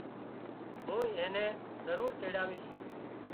مُون اين نين ضرور تيڙاويش